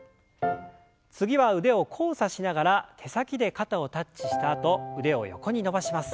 次は腕を交差しながら手先で肩をタッチしたあと腕を横に伸ばします。